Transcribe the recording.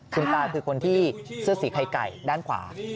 คุณตาคือคนที่เสื้อสีไข่ไก่ด้านขวา